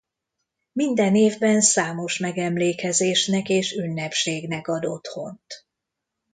Minden évben számos megemlékezésnek és ünnepségnek ad otthont.